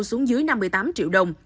xuống dưới năm mươi tám triệu đồng